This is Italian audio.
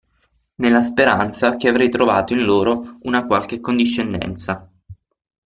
Nella speranza che avrei trovato in loro una qualche condiscendenza.